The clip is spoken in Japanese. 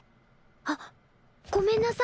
あっごめんなさい。